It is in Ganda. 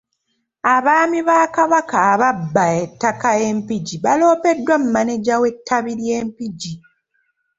Abaami ba Kabaka ababba ettaka e Mpigi baloopeddwa maneja w'ettabi ly'e Mpigi.